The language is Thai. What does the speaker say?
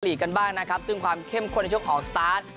กันบ้างนะครับซึ่งความเข้มข้นในช่วงออกสตาร์ท